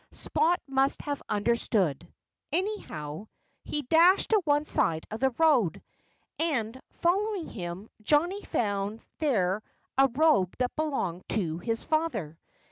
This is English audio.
Spot must have understood. Anyhow, he dashed to one side of the road. And, following him, Johnnie found there a robe that belonged to his father.